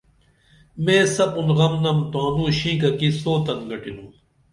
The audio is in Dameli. مے سپُن غم نم تانوں شِنکہ کی سوتن گٹِنُم